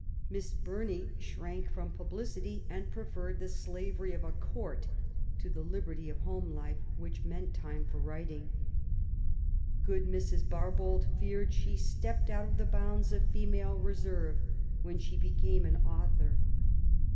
Miss ^< i I^Bumey shrank from publicity, and preferred the slavery ^^ Ipf a court to the liberty of home life, which meant time ^ Ifor writing. Good Mrs. Barbauld feared she '' stepped •jTjO^t of the bounds of female reserve^' when she became an author.